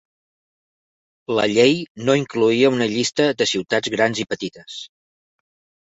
La llei no incloïa una llista de ciutats grans i petites.